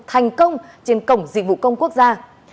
thành công trên cổng dịch vụ công quốc gia